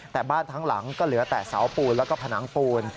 แต่บ้านทั้งหลังก็เหลือแต่เสาปูนแล้วก็ผนังปูน